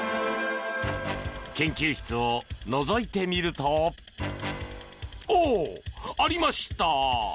研究室をのぞいてみるとあっ、ありました。